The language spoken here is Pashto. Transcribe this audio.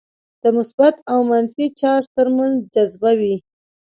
د مثبت او منفي چارج ترمنځ جذبه وي.